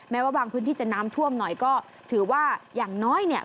ว่าบางพื้นที่จะน้ำท่วมหน่อยก็ถือว่าอย่างน้อยเนี่ย